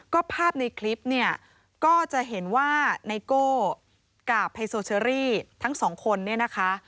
ก็ภาพในคลิปเนี่ยก็จะเห็นว่าไนโก้กับไฮโซเชอรี่ทั้งสองคนเนี่ยนะคะ